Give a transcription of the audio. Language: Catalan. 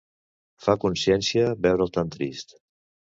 Fa consciència veure'l tan trist.